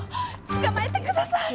捕まえてください！